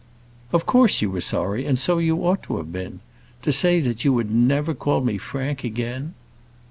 "Of course you were sorry, and so you ought to have been. To say that you would never call me Frank again!"